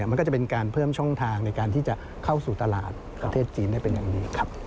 มันก็จะเป็นการเพิ่มช่องทางในการที่จะเข้าสู่ตลาดประเทศจีนได้เป็นอย่างดีครับ